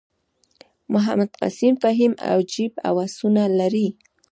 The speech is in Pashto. محمد قسیم فهیم عجیب هوسونه لري.